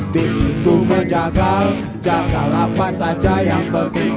disnis ku menjagal jagal apa saja yang penting